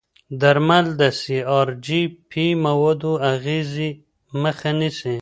درمل د سي ار جي پي موادو اغېزې مخه نیسي.